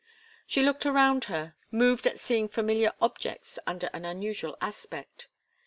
She looked around her, moved at seeing familiar objects under an unusual aspect.